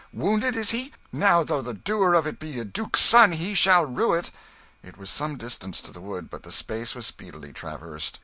Wounded, is he? Now though the doer of it be a duke's son he shall rue it!" It was some distance to the wood, but the space was speedily traversed.